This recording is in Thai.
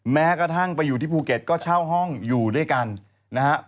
แม้กระทั่งไปอยู่ที่ภูเก็ตก็เช่าห้องอยู่ด้วยกันนะฮะ